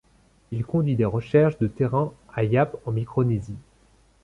Il conduit des recherches de terrain à Yap en Micronésie.